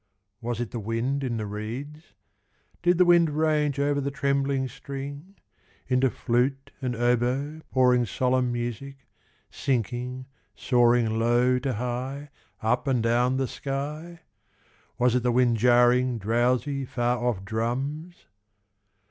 Was it the wind in the reeds? Did the wind range Over the trembling string; Into flute and oboe pouring Solemn music; sinking, soaring Low to high, Up and down the sky? Was it the wind jarring Drowsy far off drums?